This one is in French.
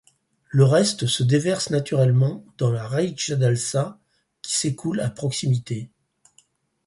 Le reste se déverse naturellement dans la Reykjadalsá qui s'écoule à proximité.